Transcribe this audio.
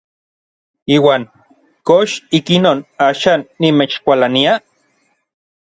Iuan ¿kox ikinon axan nimechkualania?